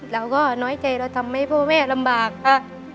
เราก็น้อยใจเราทำให้พ่อแม่ลำบากค่ะ